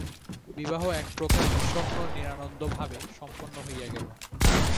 বিবাহ একপ্রকার বিষণ্ন নিরানন্দ ভাবে সম্পন্ন হইয়া গেল।